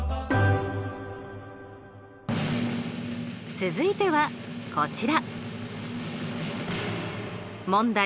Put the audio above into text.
続いてはこちら。